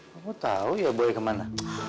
mau tau ya boy kemana